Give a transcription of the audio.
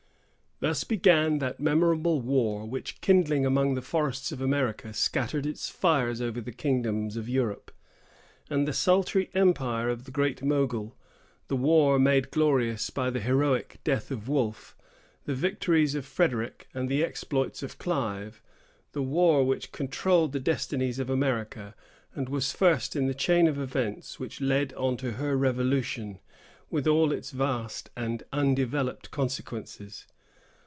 Thus began that memorable war which, kindling among the forests of America, scattered its fires over the kingdoms of Europe, and the sultry empire of the Great Mogul; the war made glorious by the heroic death of Wolfe, the victories of Frederic, and the exploits of Clive; the war which controlled the destinies of America, and was first in the chain of events which led on to her Revolution with all its vast and undeveloped consequences.